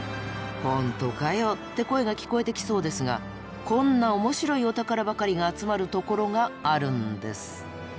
「本当かよ」って声が聞こえてきそうですがこんな面白いお宝ばかりが集まるところがあるんです。